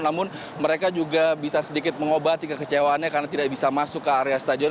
namun mereka juga bisa sedikit mengobati kekecewaannya karena tidak bisa masuk ke area stadion